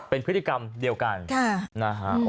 เป็นพฤติกรรมเดียวกันนะฮะ